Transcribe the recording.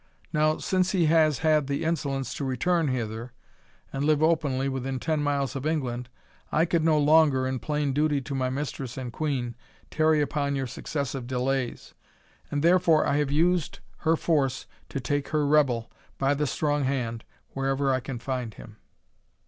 Now, since he has had the insolence to return hither, and live openly within ten miles of England, I could no longer, in plain duty to my mistress and queen, tarry upon your successive delays, and therefore I have used her force to take her rebel, by the strong hand, wherever I can find him."